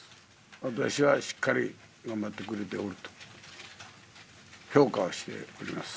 私はしっかり頑張ってくれておると評価をしております。